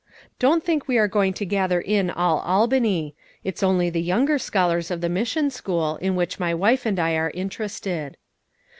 Don't think we are going to gather in all Albany; it's only the younger scholars of the mission school, in which my wife and I are interested.